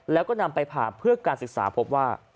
แล้วก็นำไปผ่าเพื่อการศึกษาพบว่า